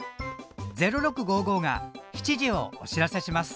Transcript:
「０６」が７時をお知らせします。